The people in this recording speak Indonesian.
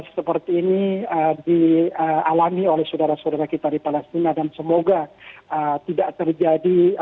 seperti ini dialami oleh saudara saudara kita di palestina dan semoga tidak terjadi